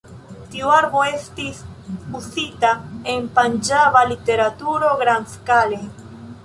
Tiu arbo estis uzita en panĝaba literaturo grandskale.